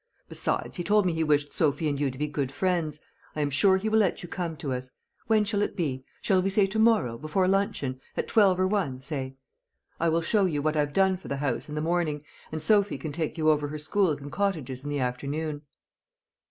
Besides, he told me he wished Sophy and you to be good friends. I am sure he will let you come to us. When shall it be? Shall we say to morrow, before luncheon at twelve or one, say? I will show you what I've done for the house in the morning, and Sophy can take you over her schools and cottages in the afternoon."